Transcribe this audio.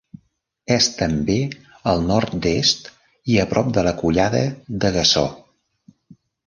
És també al nord-est i a prop de la Collada de Gassó.